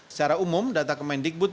secara umum data kemendikbud